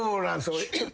えっ？